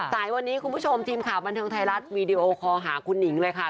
สายวันนี้คุณผู้ชมทีมข่าวบันเทิงไทยรัฐวีดีโอคอลหาคุณหนิงเลยค่ะ